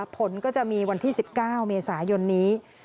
ผลก็จะมีวันที่๑๙เมษายนนี้